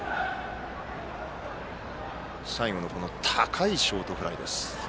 最後の高いショートフライです。